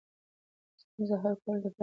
ستونزې حل کول د پلار دنده ده.